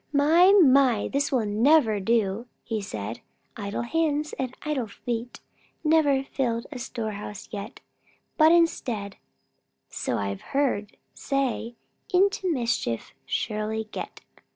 "My, my, this will never do!" said he. "Idle hands and idle feet Never filled a storehouse yet; But instead, so I've heard say, Into mischief surely get."